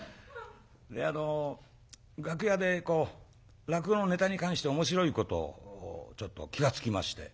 楽屋でこう落語のネタに関して面白いことをちょっと気が付きまして。